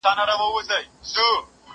ما پرون د سبا لپاره د درسونو يادونه وکړه؟!